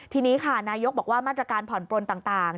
ทีนี้ค่ะนายกบอกว่ามาตรการผ่อนปลนต่าง